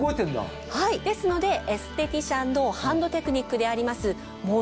ですのでエステティシャンのハンドテクニックであります。